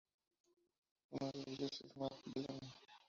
Uno de ellos es Matt Bellamy.